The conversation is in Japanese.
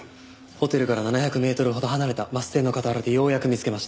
ホテルから７００メートルほど離れたバス停の傍らでようやく見つけました。